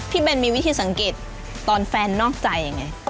เบนมีวิธีสังเกตตอนแฟนนอกใจยังไง